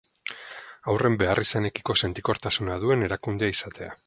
Haurren beharrizanekiko sentikortasuna duen erakundea izatea.